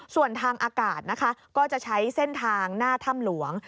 ส่วนทางอากาศนะคะก็จะใช้เส้นทางหน้าถ้ำหลวง